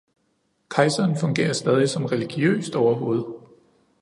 Kejseren fungerer stadig som religiøst overhoved